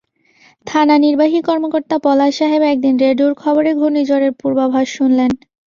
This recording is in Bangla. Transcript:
থানা নির্বাহী কর্মকর্তা পলাশ সাহেব একদিন রেডিওর খবরে ঘূর্ণিঝড়ের পূর্বাভাস শুনলেন।